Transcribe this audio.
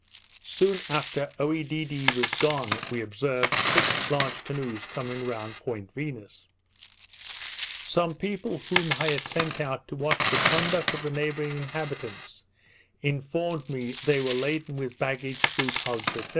Soon after Oedidee was gone, we observed six large canoes coming round Point Venus. Some people whom I had sent out, to watch the conduct of the neighbouring inhabitants, informed me they were laden with baggage, fruit, hogs, &c.